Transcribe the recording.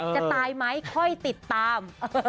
จะตายไหมค่อยติดตาม